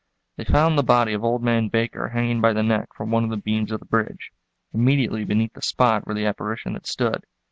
They found the body of old man Baker hanging by the neck from one of the beams of the bridge, immediately beneath the spot where the apparition had stood.